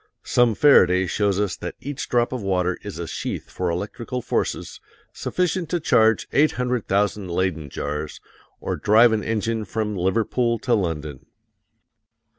Some Faraday shows us that each drop of water is a sheath for electric forces sufficient to charge 800,000 Leyden jars, or drive an engine from Liverpool to London.